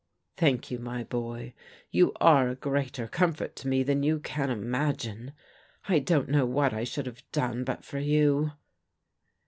" Thank you, my boy r you are a greater comfort to me than you can imagine. I don't know what I should have done but for you."